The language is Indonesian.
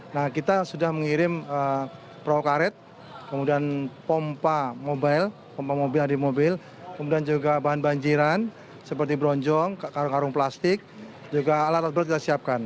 nah kita sudah mengirim prokaret kemudian pompa mobil kemudian juga bahan banjiran seperti bronjong karung karung plastik juga alat alat berat kita siapkan